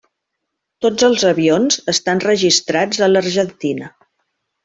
Tots els avions estan registrats a l'Argentina.